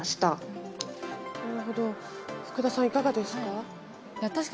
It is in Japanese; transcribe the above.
福田さん、いかがですか？